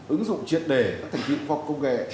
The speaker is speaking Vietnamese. ứng dụng triệt đề các thành viên phòng công nghệ